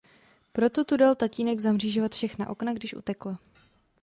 Proto tu dal tatínek zamřížovat všechna okna, když utekla.